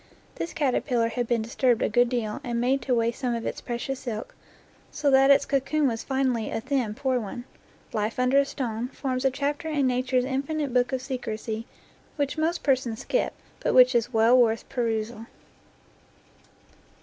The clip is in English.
This caterpillar had been disturbed a good deal and made to waste some of its precious silk, so that its cocoon was finally a thin, poor one. "Life under a stone " forms a chapter in Nature's infinite book of secrecy which most persons skip, but which is well worth perusal.